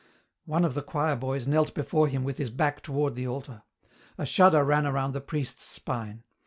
One of the choir boys knelt before him with his back toward the altar. A shudder ran around the priest's spine.